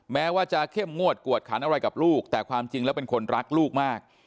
แม้ว่าจะเข้มงวดกวดขันอะไรกับลูกแต่ความจริงแล้วเป็นคนรักลูกมาก